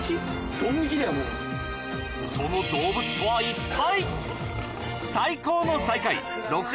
・その動物とは一体？